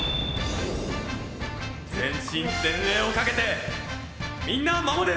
全身全霊をかけてみんなを守る！